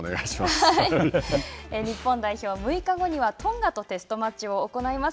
日本代表は６日後にはトンガとテストマッチを行います。